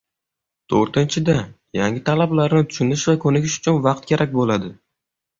To'rtinchidan, yangi talablarni tushunish va ko'nikish uchun vaqt kerak bo'ladi